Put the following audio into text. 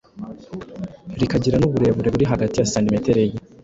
rikagira n’uburebure buri hagati ya santimetero enye.